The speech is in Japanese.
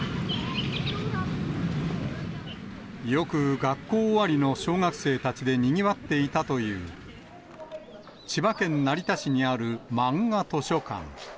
よく学校終わりの小学生たちでにぎわっていたという、千葉県成田市にあるまんが図書館。